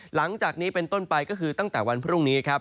หลังจากนี้เป็นต้นไปก็คือตั้งแต่วันพรุ่งนี้ครับ